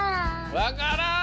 わからん！